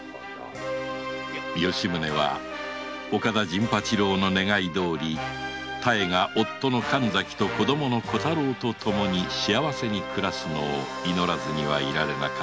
吉宗は岡田陣八郎の願いどおり妙が夫の神崎と子供の小太郎とともに幸せに暮らすのを祈らずにはいられなかった